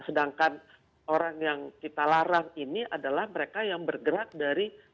sedangkan orang yang kita larang ini adalah mereka yang bergerak dari